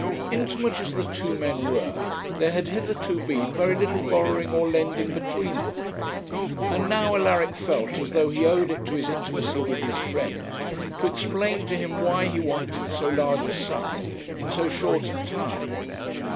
Intimate as the two men were, there had hitherto been very little borrowing or lending between them; and now Alaric felt as though he owed it to his intimacy with his friend to explain to him why he wanted so large a sum in so short a time.